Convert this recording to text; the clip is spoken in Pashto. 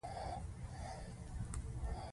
د توت لرګي د رباب لپاره دي.